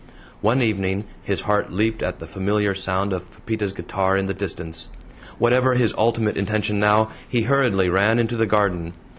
One evening his heart leaped at the familiar sound of Pepita's guitar in the distance. Whatever his ultimate intention now, he hurriedly ran into the garden.